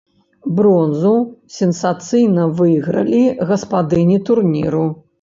Бронзу сенсацыйна выйгралі гаспадыні турніру.